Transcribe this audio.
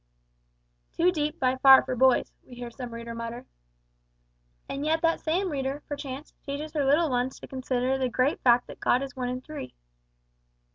"Too deep by far for boys," we hear some reader mutter. And yet that same reader, perchance, teaches her little ones to consider the great fact that God is One in Three!